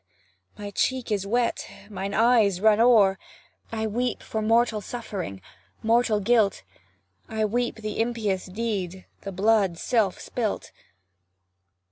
my cheek is wet mine eyes run o'er; I weep for mortal suffering, mortal guilt, I weep the impious deed, the blood self spilt.